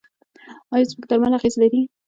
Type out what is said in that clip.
آیا زموږ درمل اغیز لري؟